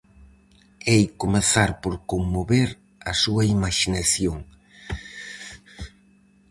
Hei comezar por conmover a súa imaxinación.